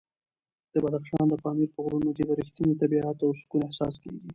د بدخشان د پامیر په غرونو کې د رښتیني طبیعت او سکون احساس کېږي.